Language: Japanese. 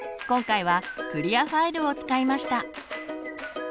今回はクリアファイルを使いました。